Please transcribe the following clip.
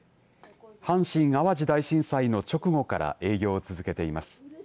阪神・淡路大震災の直後から営業を続けています。